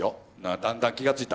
だんだん気が付いた。